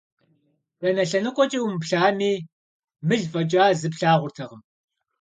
Дэнэ лъэныкъуэкӀэ умыплъами, мыл фӀэкӀа зы плъагъуртэкъым.